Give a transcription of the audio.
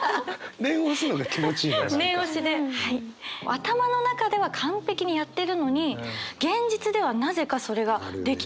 頭の中では完璧にやってるのに現実ではなぜかそれができてないっていう。